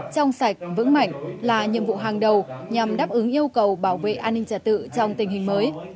trong sạch vững mạnh là nhiệm vụ hàng đầu nhằm đáp ứng yêu cầu bảo vệ an ninh trả tự trong tình hình mới